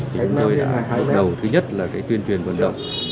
chúng tôi đã đầu thứ nhất là tuyên truyền vận động